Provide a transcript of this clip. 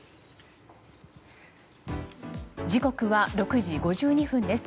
時刻は６時５２分です。